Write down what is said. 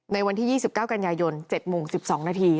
ในวันที่๒๙กันยายน๗โมง๑๒นาที